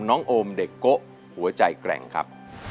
น้องโอมเด็กโกะหัวใจแกร่งครับ